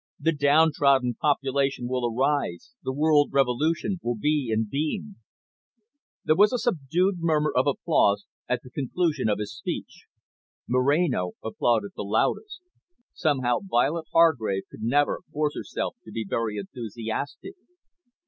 The downtrodden population will arise, the world revolution will be in being." There was a subdued murmur of applause at the conclusion of his speech. Moreno applauded the loudest; somehow Violet Hargrave could never force herself to be very enthusiastic.